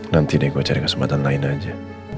nanti deh gue cari kesempatan lain aja